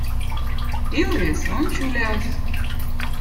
ilvez on čüläz